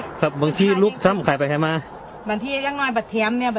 อันนี้ครับบางที่ลุกซ้ำไข่ไปไหนมาบางที่อย่างน้อยแบบแถมเนี้ย